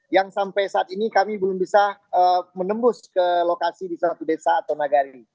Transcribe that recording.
yang sampai saat ini kami belum bisa menembus ke lokasi di satu desa atau nagari